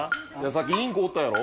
さっきインコおったやろ？